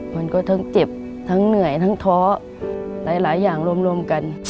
มันก็ทั้งเจ็บทั้งเหนื่อยทั้งท้อหลายอย่างรวมกัน